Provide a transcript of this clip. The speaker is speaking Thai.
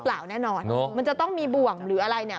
ค่ะห้องงู